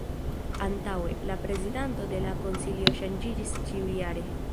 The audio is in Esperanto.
Antaŭe, la prezidanto de la Konsilio ŝanĝiĝis ĉiujare.